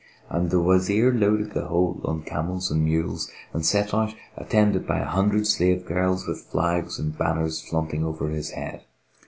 And the Wazir loaded the whole on camels and mules, and set out attended by an hundred slave girls with flags and banners flaunting over his head.